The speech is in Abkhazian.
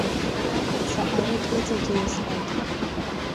Ахьаца арык ыҵаӡо иазҳаит.